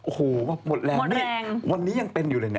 โอ้โฮว่าบทแรงวันนี้ยังเป็นอยู่เลยเนี่ย